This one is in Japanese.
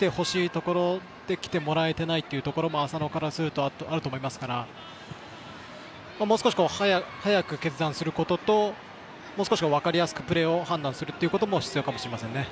ところできてもらえてないというところも浅野からするとあると思いますから、もう少し早く決断することともう少し分かりやすくプレーを判断することが必要かもしれません。